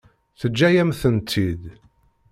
Teǧǧa-yam-tent-id.